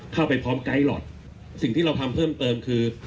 เข้าไปพร้อมไกลหรอสิ่งที่เราทำเพิ่มเติมคือ